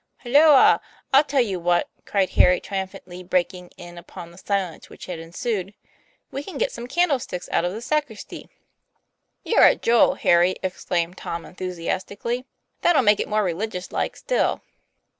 "Halloa! I'll tell you what!" cried Harry tri umphantly, breaking in upon the silence which had ensued: "we can get some candlesticks out of the sacristy." "You're a jewel, Harry!" exclaimed Tom, enthusi astically. "That'll make it more religious like, still."